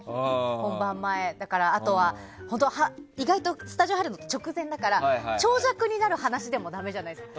だから、あとは意外とスタジオ入るのって直前だから長尺になる話でもだめじゃないですか。